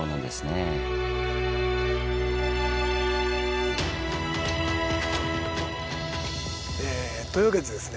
えというわけでですね。